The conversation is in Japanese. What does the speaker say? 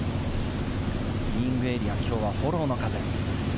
ティーイングエリア、きょうはフォローの風。